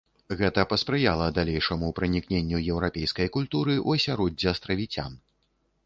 Гэта паспрыяла далейшаму пранікненню еўрапейскай культуры ў асяроддзе астравіцян.